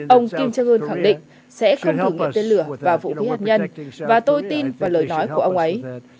ông kim trương ươn khẳng định sẽ không thử nghiệm tên lửa và vụ bí hạt nhân và tôi tin vào lời nói của ông ấy